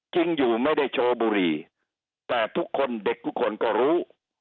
จริงอยู่ไม่ได้โชว์บุรีแต่ทุกคนเด็กทุกคนก็รู้